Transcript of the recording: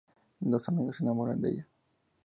Dos amigos se enamoran de ella.